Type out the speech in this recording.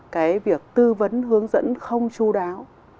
cái việc tư vấn hướng dẫn không chu đáo